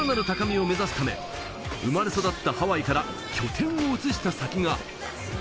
さらなる高みを目指すため、生まれ育ったハワイから拠点を移した先が。